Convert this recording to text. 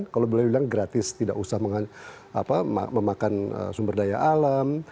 kalau boleh dibilang gratis tidak usah memakan sumber daya alam